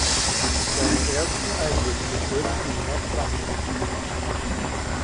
Seine ersten Einsätze führten ihn nach Frankreich.